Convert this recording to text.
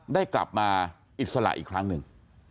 ได้กลับมาอิสระอีกครั้งหนึ่ง